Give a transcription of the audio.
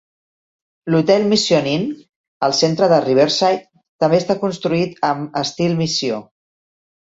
L'hotel Mission Inn, al centre de Riverside, també està construït amb Estil Missió.